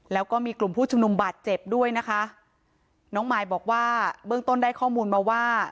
แล้วก็มีกลุ่มผู้ชุมนุมบาดเจ็บด้วยนะคะน้องมายบอกว่าเบื้องต้นได้ข้อมูลมาว่า